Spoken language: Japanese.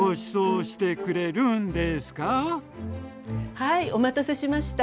はいお待たせしました。